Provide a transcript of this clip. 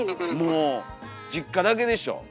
もう実家だけでしょ。